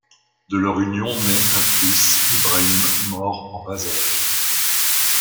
De leur union naît un fils, Ibrahim, mort en bas âge.